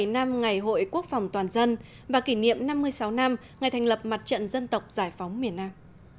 một mươi năm ngày hội quốc phòng toàn dân và kỷ niệm năm mươi sáu năm ngày thành lập mặt trận dân tộc giải phóng miền nam